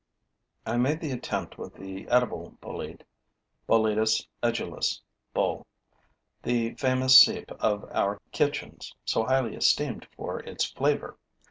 I made the attempt with the edible bolete (Boletus edulis, BULL.), the famous cepe of our kitchens, so highly esteemed for its flavor.